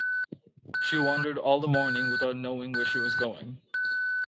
She wandered all the morning without knowing where she was going.